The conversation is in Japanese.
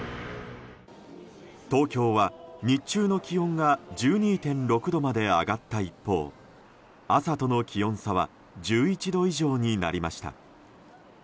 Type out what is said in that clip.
東京は日中の気温が１２．６度まで上がった一方朝との気温差は１１度以上になりました。